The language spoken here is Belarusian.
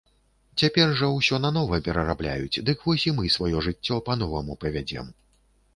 Цяпер жа ўсё нанова перарабляюць, дык вось і мы сваё жыццё па-новаму павядзём.